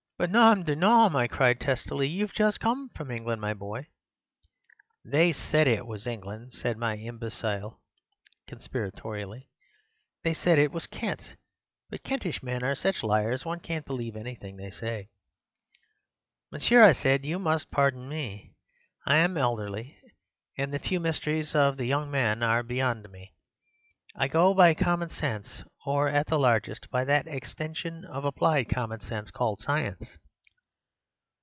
"'But, nom du nom,' I cried testily, 'you've just come from England, my boy.' "'They SAID it was England,' said my imbecile, conspiratorially. 'They said it was Kent. But Kentish men are such liars one can't believe anything they say.' "'Monsieur,' I said, 'you must pardon me. I am elderly, and the fumisteries of the young men are beyond me. I go by common sense, or, at the largest, by that extension of applied common sense called science.